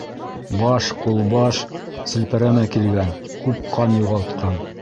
Баш, ҡулбаш - селпәрәмә килгән, күп ҡан юғалтҡан...